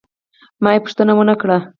ما یې پوښتنه ونه کړه.